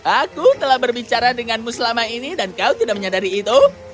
aku telah berbicara denganmu selama ini dan kau tidak menyadari itu